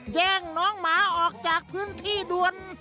แจ้งน้องหมาออกจากพื้นที่ด่วน